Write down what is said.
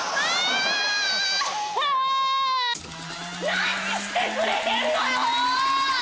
何してくれてんのよ！